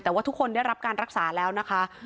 แต่ว่าทุกคนได้รับการรักษาแล้วนะคะ